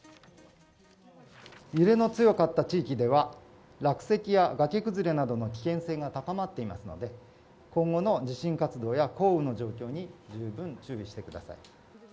揺れの強かった地域では、落石や崖崩れなどの危険性が高まっていますので、今後の地震活動や降雨の状況に十分注意してください。